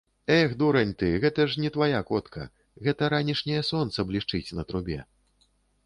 - Эх, дурань ты, гэта ж не твая котка, гэта ранішняе сонца блішчыць на трубе